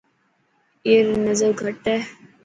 اي ري نظر گهٽ هي.